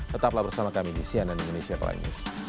tetaplah bersama kami di cnn indonesia prime